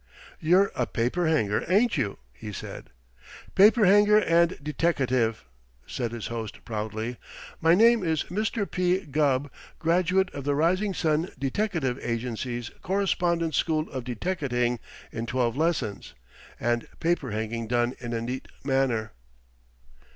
"You're a paper hanger, ain't you?" he said. "Paper hanger and deteckative," said his host proudly. "My name is Mister P. Gubb, graduate of the Rising Sun Deteckative Agency's Correspondence School of Deteckating in twelve lessons. And paper hanging done in a neat manner."